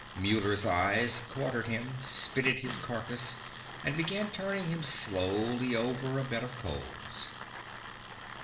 Muller's eyes quartered him, spitted his carcass, and began turning him slowly over a bed of coals.